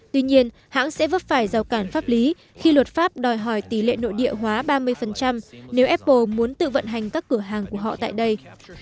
tuy nhiên hãng sẽ vấp phải rào cản pháp lý khi luật pháp đòi hỏi tỷ lệ nội địa hóa ba mươi nếu apple muốn tự vận hành các cửa hàng của họ tại đây